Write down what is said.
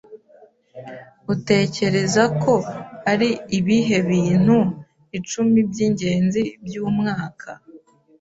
Utekereza ko ari ibihe bintu icumi byingenzi byumwaka?